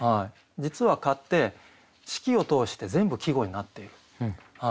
実は「蚊」って四季を通して全部季語になっている。